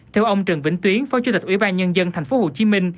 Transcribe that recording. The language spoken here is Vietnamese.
theo ông trần vĩnh tuyến phó chủ tịch ủy ban nhân dân tp hcm